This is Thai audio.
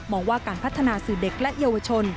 ว่าการพัฒนาสื่อเด็กและเยาวชน